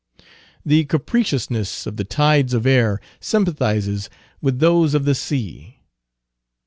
The capriciousness of the tides of air sympathizes with those of the sea.